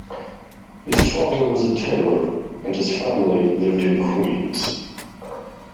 His father was a tailor and his family lived in Queens.